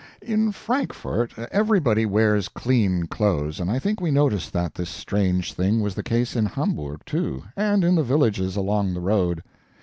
In Frankfort everybody wears clean clothes, and I think we noticed that this strange thing was the case in Hamburg, too, and in the villages along the road.